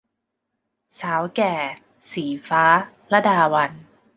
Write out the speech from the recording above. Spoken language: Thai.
สาวแก่ - ศรีฟ้า ลดาวัลย์